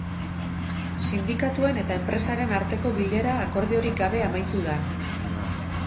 Sindikatuen eta enpresaren arteko bilera akordiorik gabe amaitu da.